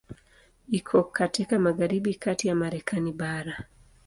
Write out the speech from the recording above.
Iko katika magharibi kati ya Marekani bara.